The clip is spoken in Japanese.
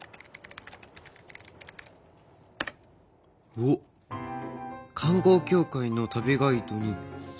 おっ観光協会の旅ガイドに新聞記事。